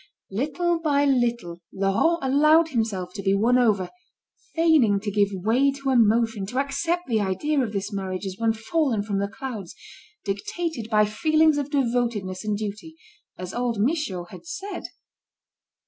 Little by little Laurent allowed himself to be won over, feigning to give way to emotion, to accept the idea of this marriage as one fallen from the clouds, dictated by feelings of devotedness and duty, as old Michaud had said.